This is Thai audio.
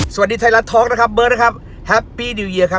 สวัสดีไทยรัฐท็อกนะครับเบิร์ตนะครับแฮปปี้นิวเยียครับ